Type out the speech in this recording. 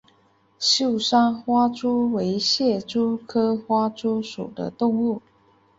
秀山花蛛为蟹蛛科花蛛属的动物。